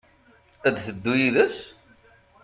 Ad d-teddu yid-s?